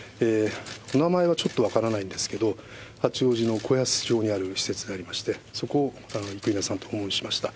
お名前はちょっと分からないんですけど、八王子のこやす町にある施設になりまして、そこを生稲さんと訪問しました。